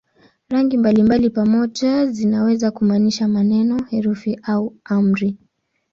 Rangi mbalimbali pamoja zinaweza kumaanisha maneno, herufi au amri.